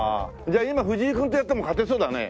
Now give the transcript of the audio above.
じゃあ今藤井くんとやっても勝てそうだね。